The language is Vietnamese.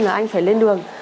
là anh phải lên đường